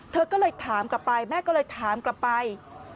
เธอก็เลยถามกลับไปแม่ก็เลยถามกลับไป